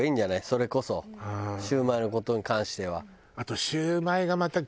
それこそシュウマイの事に関しては。